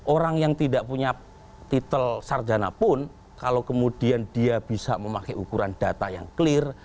orang yang tidak punya titel sarjana pun kalau kemudian dia bisa memakai ukuran data yang clear